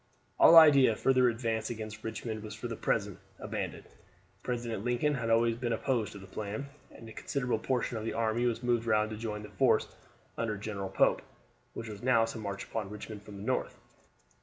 All idea of a further advance against Richmond was for the present abandoned. President Lincoln had always been opposed to the plan, and a considerable portion of the army was moved round to join the force under General Pope, which was now to march upon Richmond from the north.